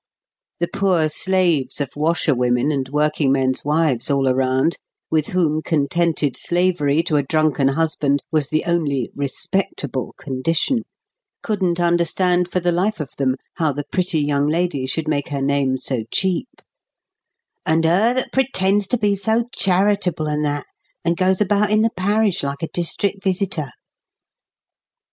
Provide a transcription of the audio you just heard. The poor slaves of washer women and working men's wives all around, with whom contented slavery to a drunken husband was the only "respectable" condition—couldn't understand for the life of them how the pretty young lady could make her name so cheap; "and her that pretends to be so charitable and that, and goes about in the parish like a district visitor!"